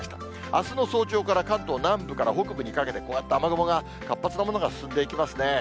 あすの早朝から、関東南部から北部にかけて、こうやって雨雲が活発なものが進んでいきますね。